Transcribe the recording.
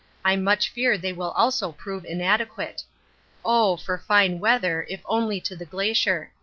I much fear they also will prove inadequate. Oh! for fine weather, if only to the Glacier.